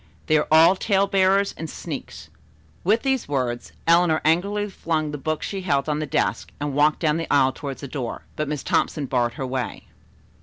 They are all tale bearers and sneaks." With these words, Eleanor angrily flung the book she held on the desk and walked down the aisle toward the door, but Miss Thompson barred her way.